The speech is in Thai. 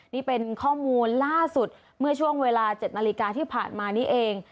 นี่เป็นข้อมูลล่าสุดเมื่อช่วงเวลา๗นาฬิกาที่ผ่านมานี้เอง